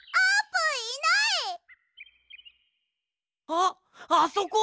あっあそこ！